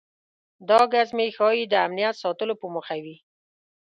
دا ګزمې ښایي د امنیت ساتلو په موخه وي.